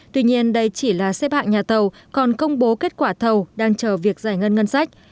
tuy nhiên đây chỉ là xếp hạng nhà thầu còn công bố kết quả thầu đang chờ việc giải ngân ngân sách